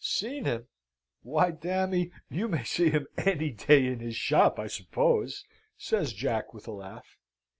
"Seen him! why, dammy, you may see him any day in his shop, I suppose?" says Jack, with a laugh.